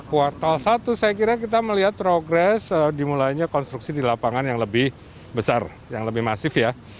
kuartal satu saya kira kita melihat progres dimulainya konstruksi di lapangan yang lebih besar yang lebih masif ya